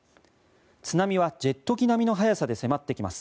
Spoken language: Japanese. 津波はジェット機並みの速さで迫ってきます。